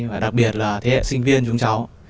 và đặc biệt là thế hệ sinh viên chúng cháu